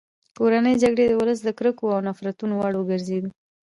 کورنۍ جګړې د ولس د کرکو او نفرتونو وړ وګرځېدې.